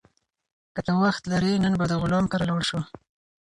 که ته وخت ولرې، نن به د غلام کره لاړ شو.